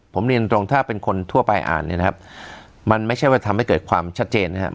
ผมเรียนตรงถ้าเป็นคนทั่วไปอ่านเนี่ยนะครับมันไม่ใช่ว่าทำให้เกิดความชัดเจนนะครับ